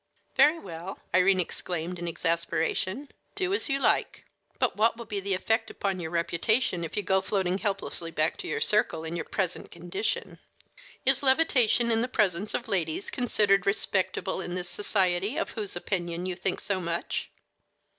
"Very well," Irene exclaimed in exasperation; "do as you like! But what will be the effect upon your reputation if you go floating helplessly back to your circle in your present condition? Is levitation in the presence of ladies considered respectable in this society of whose opinion you think so much?"